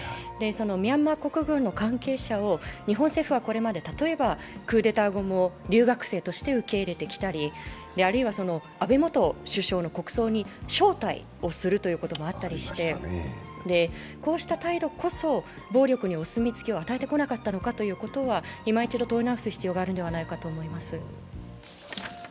ミャンマー国軍の関係者は日本政府はこれまで例えばクーデター後も留学生として受け入れてきたり、あるいは安倍元総理の国葬に招待をするということもあったりしてこうした態度こそ、暴力にお墨付きを与えてこなかったかということをいま一度問い直す必要があるのではないかと思います。